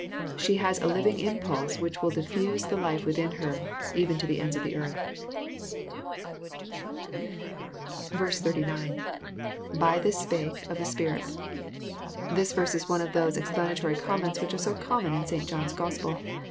She has a living impulse which will diffiise the life within her, even to the ends of the earth." 19. — IBut this 8pake,.,of the iSJsirft.] This verse is one of those explanatory comments which are so common in St. John's Gospel.